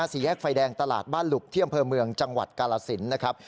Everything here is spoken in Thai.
สี่แยกไฟแดงตลาดบ้านหลุบที่อำเภอเมืองจังหวัดกาลสินนะครับ